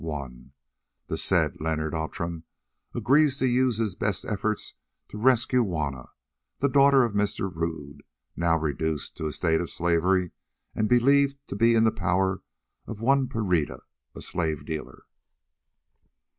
"I. The said Leonard Outram agrees to use his best efforts to rescue Juanna, the daughter of Mr. Rodd, now reduced to a state of slavery and believed to be in the power of one Pereira, a slave dealer.